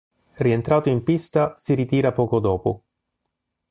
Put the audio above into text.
Rientrato in pista, si ritira poco dopo.